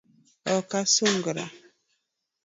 Ok asungra